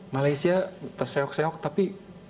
malaysia terseok seok tapi